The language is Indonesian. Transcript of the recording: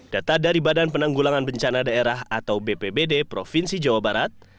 data dari badan penanggulangan bencana daerah atau bpbd provinsi jawa barat